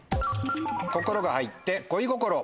心が入って恋心。